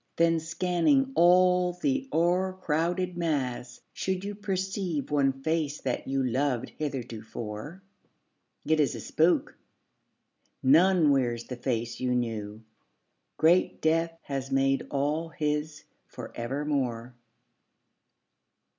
Then, scanning all the o'ercrowded mass, should you Perceive one face that you loved heretofore, It is a spook. None wears the face you knew. Great death has made all his for evermore.